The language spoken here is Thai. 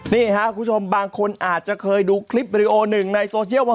นี่ครับคุณผู้ชมบางคนอาจจะเคยดูคลิปวิดีโอหนึ่งในโซเชียลว่า